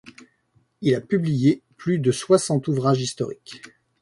Il a publié plus de soixante ouvrages historiques.